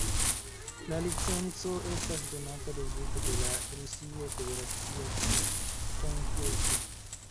La licenco estas donata rezulte de la rusia federacia konkurso.